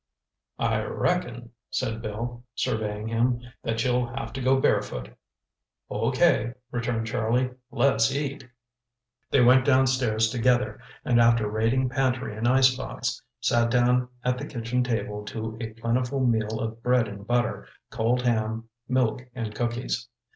"I reckon," said Bill, surveying him, "that you'll have to go barefoot." "Okay," returned Charlie. "Let's eat." They went downstairs together and after raiding pantry and icebox, sat down at the kitchen table to a plentiful meal of bread and butter, cold ham, milk and cookies.